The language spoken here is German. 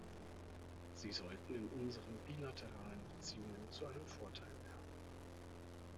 Sie sollten in unseren bilateralen Beziehungen zu einem Vorteil werden.